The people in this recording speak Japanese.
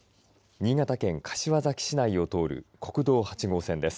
新潟県柏崎市内を通る国道８号線です。